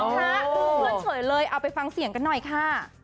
เพื่อนเฉยเลยเอาไปฟังเสียงกันหน่อยค่ะ